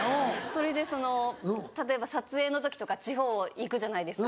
それで例えば撮影の時とか地方行くじゃないですか。